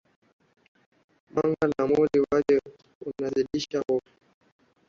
mwanga na muli wake unazidisha hofu